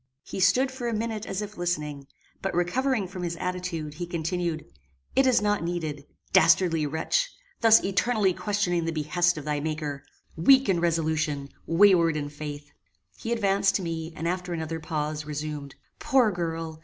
He stood for a minute as if listening; but recovering from his attitude, he continued "It is not needed. Dastardly wretch! thus eternally questioning the behests of thy Maker! weak in resolution! wayward in faith!" He advanced to me, and, after another pause, resumed: "Poor girl!